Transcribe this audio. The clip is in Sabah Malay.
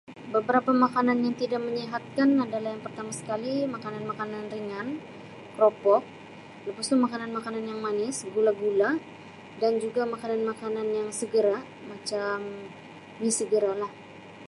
Beberapa makanan yang tidak menyihatkan adalah yang pertama sekali makanan-makanan ringan keropok lepas tu makanan-makanan yang manis gula-gula dan juga makanan-makanan yang segera macam mi segera lah.